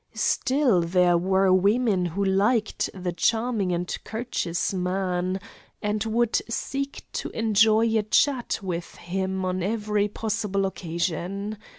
Still there were women who liked the charming and courteous man, and would seek to enjoy a chat with him on every possible occasion.